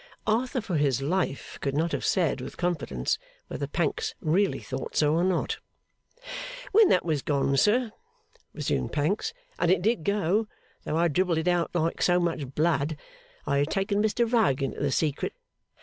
Arthur for his life could not have said with confidence whether Pancks really thought so or not. 'When that was gone, sir,' resumed Pancks, 'and it did go, though I dribbled it out like so much blood, I had taken Mr Rugg into the secret.